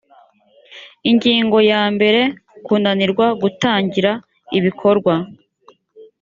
ingingo ya mbere kunanirwa gutangira ibikorwa